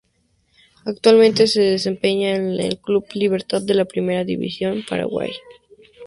Actualmente se desempeña en el Club Libertad de la Primera División de Paraguay.